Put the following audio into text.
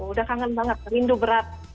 udah kangen banget rindu berat